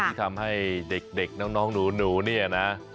ที่ทำให้เด็กน้องหนูเนี่ยนะ